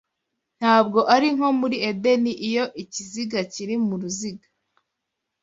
ntabwo ari nko muri Edeni, iyo, Ikiziga kiri mu ruziga